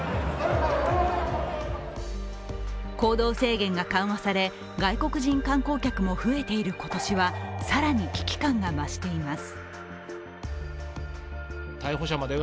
行動制限が緩和され、外国人観光客も増えている今年は更に危機感が増しています。